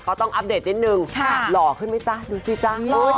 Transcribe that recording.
ก็ต้องอัปเดตนิดนึงหล่อขึ้นมั้ยจ๊ะดูสิจ๊ะ